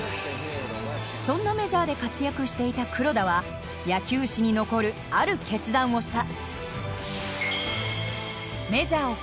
そんなメジャーで活躍していた黒田は野球史に残るある決断をした。